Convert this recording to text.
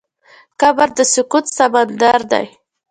قبر د سکوت سمندر دی.